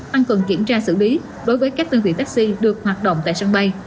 tăng cường kiểm tra xử lý đối với các đơn vị taxi được hoạt động tại sân bay